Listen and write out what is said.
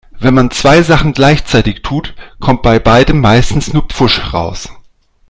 Wenn man zwei Sachen gleichzeitig tut, kommt bei beidem meistens nur Pfusch raus.